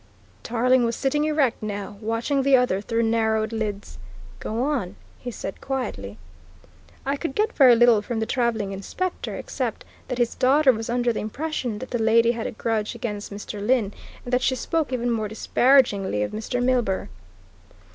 Tarling was sitting erect now, watching the other through narrowed lids. "Go on," he said quietly. "I could get very little from the travelling inspector, except that his daughter was under the impression that the lady had a grudge against Mr. Lyne, and that she spoke even more disparagingly of Mr. Milburgh."